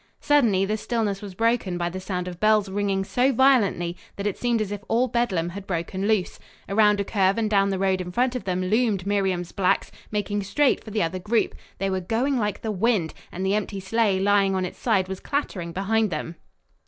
Suddenly the stillness was broken by the sound of bells ringing so violently that it seemed as if all Bedlam had broken loose. Around a curve and down the road in front of them loomed Miriam's blacks, making straight for the other group. They were going like the wind, and the empty sleigh, lying on its side, was clattering behind them.